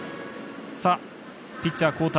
ピッチャー交代。